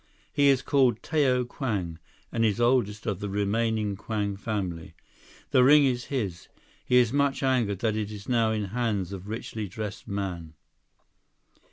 "He is called Tao Kwang, and is oldest of the remaining Kwang family. The ring is his. He is much angered that it is now in hands of richly dressed man."